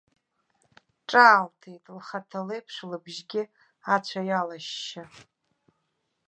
Ҿаалҭит, лхаҭа леиԥш лыбжьгьы ацәа иалашьшьы.